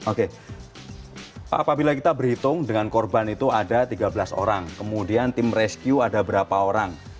oke apabila kita berhitung dengan korban itu ada tiga belas orang kemudian tim rescue ada berapa orang